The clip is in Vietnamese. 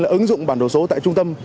là ứng dụng bản đồ số tại trung tâm